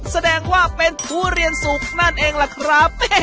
แสดงว่าเป็นทุเรียนสุกนั่นเองล่ะครับ